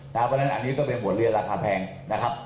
เพราะฉะนั้นอันนี้ก็เป็นบทเรียนราคาแพงนะครับ